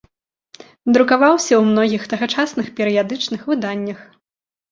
Друкаваўся ў многіх тагачасных перыядычных выданнях.